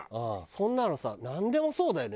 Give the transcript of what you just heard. そんなのさなんでもそうだよね。